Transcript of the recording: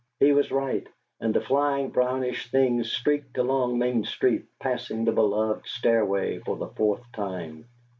He was right, and the flying brownish thing streaked along Main Street, passing the beloved stairway for the fourth time.